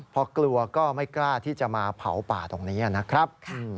พอกลัวก็ไม่กล้าที่จะมาเผาป่าตรงนี้นะครับ